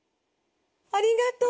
ありがとう。